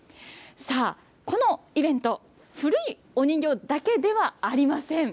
このイベント、古いお人形だけではありません。